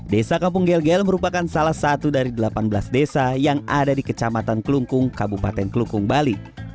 desa kampung gel gel merupakan salah satu dari delapan belas desa yang ada di kecamatan kelungkung kabupaten kelukung bali